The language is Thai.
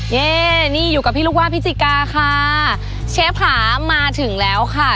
เย่นี่อยู่กับพี่ลูกว่าพิจิกาค่ะเชฟค่ะมาถึงแล้วค่ะ